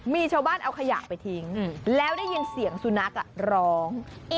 มีชาวบ้านเอาขยะไปทิ้งแล้วได้ยินเสียงสุนัขร้อง